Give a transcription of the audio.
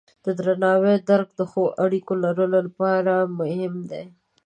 د درناوي درک د ښو اړیکو لرلو لپاره مهم دی.